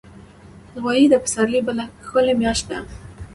غویی د پسرلي بله ښکلي میاشت ده.